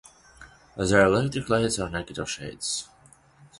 The electric lights are naked of shades.